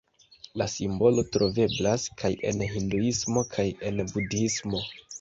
La simbolo troveblas kaj en hinduismo kaj en budhismo.